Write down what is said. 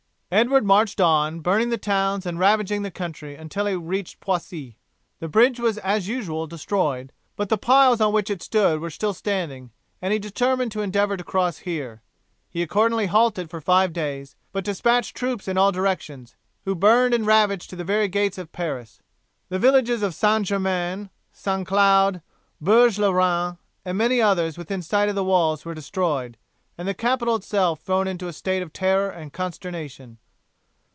Edward marched on, burning the towns and ravaging the country until he reached Poissy. The bridge was as usual destroyed, but the piles on which it stood were still standing, and he determined to endeavour to cross here. He accordingly halted for five days, but despatched troops in all directions, who burned and ravaged to the very gates of Paris. The villages of St. Germain, St. Cloud, Bourg la Reine, and many others within sight of the walls were destroyed, and the capital itself thrown into a state of terror and consternation.